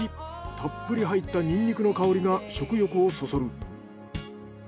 たっぷり入ったニンニクの香りが食欲をそそる。